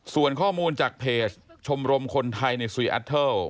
ส่วนข้อมูลจากเพจชมรมคนไทยในซีแอดเทิล